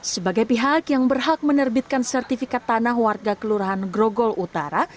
sebagai pihak yang berhak menerbitkan sertifikat tanah warga kelurahan grogol utara